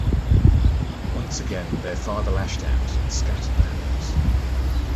Once again, their father lashed out, and scattered the herbs.